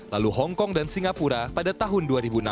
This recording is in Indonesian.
lalu hongkong dan singapura pada tahun dua ribu enam belas